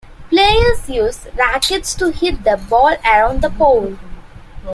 Players use racquets to hit the ball around the pole.